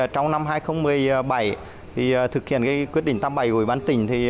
trong năm hai nghìn một mươi bảy thực hiện quyết định tám mươi bảy của bán tỉnh